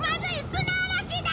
砂嵐だ！